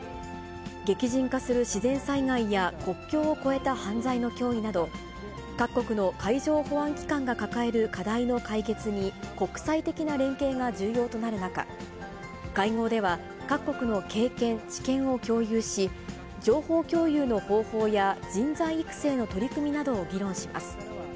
激甚化する自然災害や国境を越えた犯罪の脅威など、各国の海上保安機関が抱える課題の解決に国際的な連携が重要となる中、会合では各国の経験、知見を共有し、情報共有の方法や人材育成の取り組みなどを議論します。